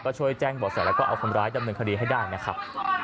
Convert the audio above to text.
ก็ช่วยแจ้งบ่อแสแล้วก็เอาคนร้ายดำเนินคดีให้ได้นะครับ